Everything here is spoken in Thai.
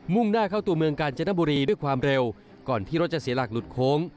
่งหน้าเข้าตัวเมืองกาญจนบุรีด้วยความเร็วก่อนที่รถจะเสียหลักหลุดโค้ง